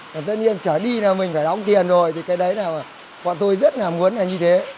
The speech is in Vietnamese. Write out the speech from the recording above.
tất nhiên trở đi là mình phải đóng tiền rồi thì cái đấy là bọn tôi rất là muốn là như thế